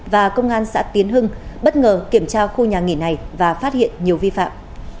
và công an xã tiến hưng bất ngờ kiểm tra khu nhà nghỉ này và phát hiện nhiều vi phạm